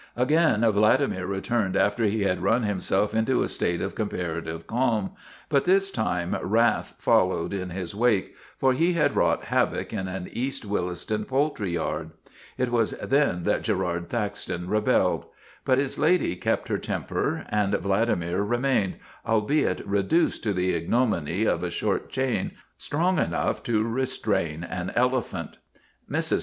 Again Vladimir returned after he had run himself into a state of comparative calm, but this time wrath followed in his wake, for he had wrought havoc in an East Williston poultry yard. It was then that Girard Thaxton rebelled. But his lady kept her temper and Vladimir remained, albeit reduced to the ignominy of a short chain strong enough to restrain an elephant. Mrs.